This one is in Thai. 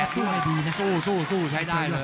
สู้ให้ดีนะสู้สู้สู้ใช้ได้เลย